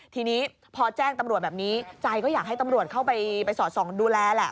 ทีนี้พอแจ้งตำรวจแบบนี้ใจก็อยากให้ตำรวจเข้าไปสอดส่องดูแลแหละ